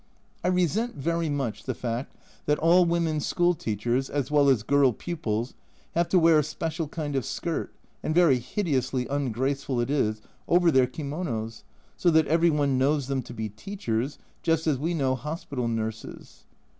I resent very much the fact that all women school teachers (as well as girl pupils) have to wear a special kind of skirt (and very hideously ungraceful it is) over their kimonos, so that every one knows them to be teachers, just as we know hospital nurses.